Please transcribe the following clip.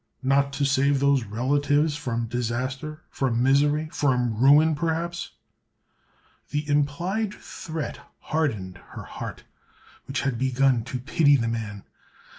"Not to save those relatives from disaster—from misery—from ruin, perhaps?" The implied threat hardened her heart, which had begun to pity the man.